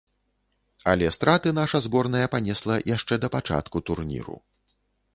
Але страты наша зборная панесла яшчэ да пачатку турніру.